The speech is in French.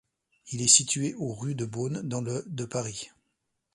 Il est situé au rue de Beaune, dans le de Paris.